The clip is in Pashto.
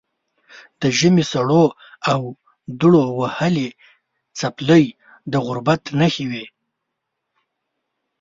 د ژمي سړو او دوړو وهلې څپلۍ د غربت نښې وې.